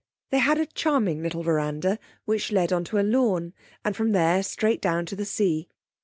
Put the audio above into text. They had a charming little veranda which led on to a lawn, and from there straight down to the sea.